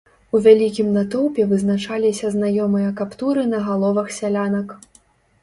У вялікім натоўпе вызначаліся знаёмыя каптуры на галовах сялянак.